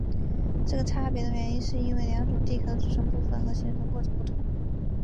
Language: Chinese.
这个差别的原因是因为两种地壳的组成部分和形成过程不同。